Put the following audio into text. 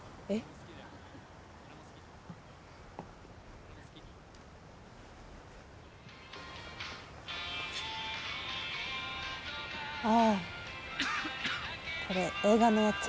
紬：ああ、これ映画のやつ。